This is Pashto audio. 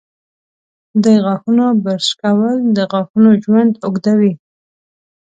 د غاښونو برش کول د غاښونو ژوند اوږدوي.